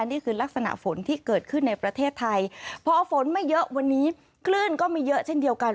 นี่คือลักษณะฝนที่เกิดขึ้นในประเทศไทยพอฝนไม่เยอะวันนี้คลื่นก็มีเยอะเช่นเดียวกัน